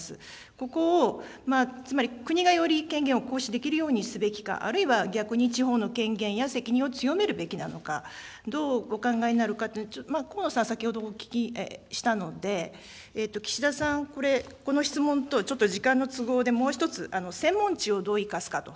ここを、つまり国がより権限を行使できるようにすべきか、あるいは逆に地方の権限や責任を強めるべきなのか、どうお考えになるか、河野さん、先ほどお聞きしたので、岸田さん、これ、この質問と、ちょっと時間の都合でもう１つ、専門知をどう生かすか。